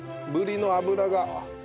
ブリの脂が。